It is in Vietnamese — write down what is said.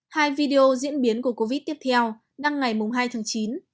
hai video diễn biến của covid tiếp theo đăng ngày hai tháng chín